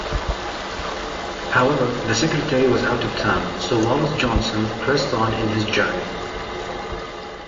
However, the secretary was out of town, so Wallace-Johnson pressed on in his journey.